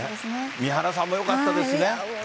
三原さんもよかったですね。